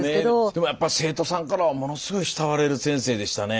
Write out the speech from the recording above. でもやっぱり生徒さんからはものすごい慕われる先生でしたね。